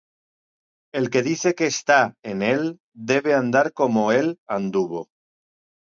El que dice que está en él, debe andar como él anduvo.